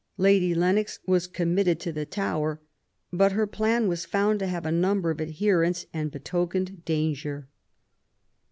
Lady Lennox was committed to the Tower; but her plan was found to have a number of adherents and betokened danger.